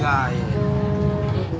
bapak bapaknya yang jagain